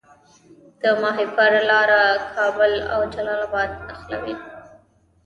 د ماهیپر لاره کابل او جلال اباد نښلوي